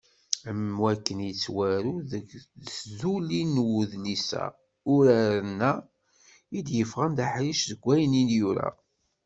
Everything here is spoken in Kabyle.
Am wakken i yettwaru deg tduli n udlis-a, uraren-a i d-yeffɣen d aḥric seg wayen i yura.